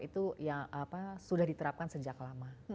itu yang sudah diterapkan sejak lama